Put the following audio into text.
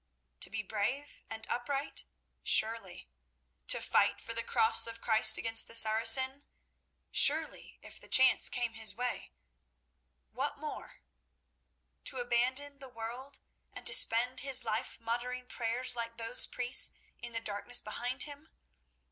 To be brave and upright? Surely. To fight for the Cross of Christ against the Saracen? Surely, if the chance came his way. What more? To abandon the world and to spend his life muttering prayers like those priests in the darkness behind him?